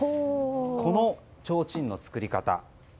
このちょうちんの作り方